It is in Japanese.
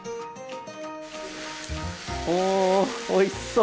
おおおいしそう！